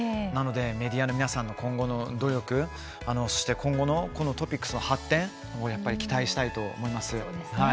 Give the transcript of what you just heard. メディアの皆さんの今後の努力そして今後もこのトピックスの発展を期待したいと思います。